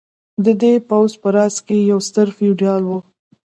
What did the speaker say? د دې پوځ په راس کې یو ستر فیوډال و.